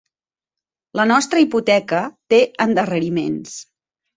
La nostra hipoteca té endarreriments.